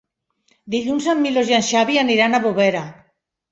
Dilluns en Milos i en Xavi aniran a Bovera.